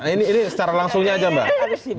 ini secara langsungnya aja mbak